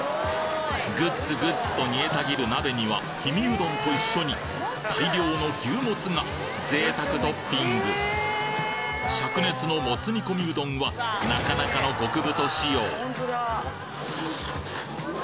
グッツグッツと煮えたぎる鍋には氷見うどんと一緒に大量の牛もつが贅沢トッピング灼熱のもつ煮込みうどんはなかなかの暑っ！